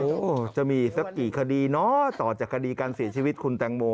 โอ้โหจะมีสักกี่คดีเนอะต่อจากคดีการเสียชีวิตคุณแตงโม